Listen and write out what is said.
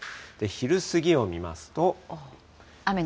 昼過ぎを見ますと。